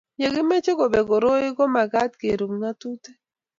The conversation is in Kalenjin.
ye kimeche kobek koroi ya ko mekat kerub ng'atutik